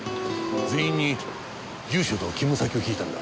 全員に住所と勤務先を聞いたんだ。